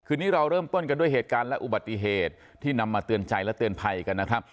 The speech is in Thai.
นี้เราเริ่มต้นกันด้วยเหตุการณ์และอุบัติเหตุที่นำมาเตือนใจและเตือนภัยกันนะครับ